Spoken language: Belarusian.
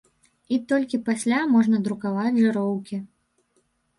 І толькі пасля можна друкаваць жыроўкі.